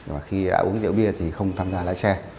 và khi đã uống rượu bia thì không tham gia lái xe